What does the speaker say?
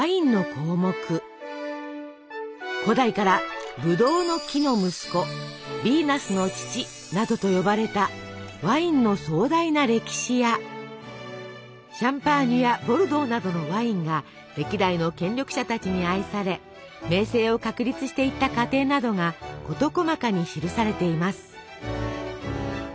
古代から「ぶどうの木の息子」「ヴィーナスの乳」などと呼ばれたワインの壮大な歴史やシャンパーニュやボルドーなどのワインが歴代の権力者たちに愛され名声を確立していった過程などが事細かに記されています。